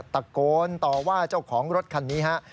ตะโกนต่อว่าเจ้าของรถคันนี้ฮะ